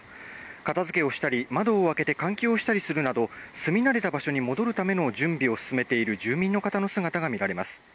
片づけをしたり、窓を開けて換気をしたりするなど住み慣れた場所に戻るための準備を進めている住民の方の姿が見られます。